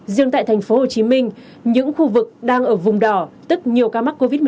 riêng tại thành phố hồ chí minh những khu vực đang ở vùng đỏ tức nhiều ca mắc covid một mươi chín